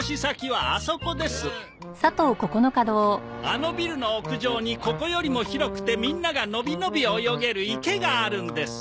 あのビルの屋上にここよりも広くてみんながのびのび泳げる池があるんです。